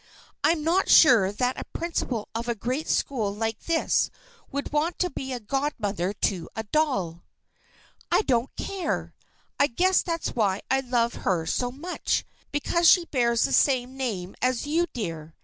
I'm not sure that a principal of a great school like this would want to be godmother to a doll. "I don't care! I guess that's why I love her so much because she bears the same name as you, my dear.